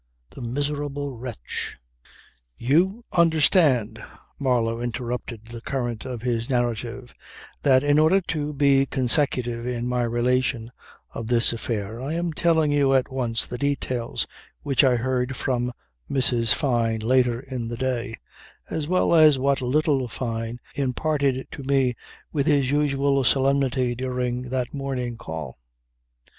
The miserable wretch! ..."" You understand," Marlow interrupted the current of his narrative, "that in order to be consecutive in my relation of this affair I am telling you at once the details which I heard from Mrs. Fyne later in the day, as well as what little Fyne imparted to me with his usual solemnity during that morning call.